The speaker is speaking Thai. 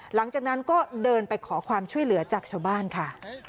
หลังจากนั้นก็เดินไปขอความช่วยเหลือจากชาวบ้านค่ะ